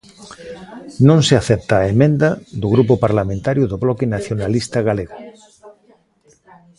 Non se acepta a emenda do Grupo Parlamentario do Bloque Nacionalista Galego.